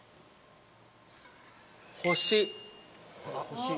星。